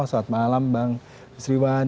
selamat malam bang nusriwan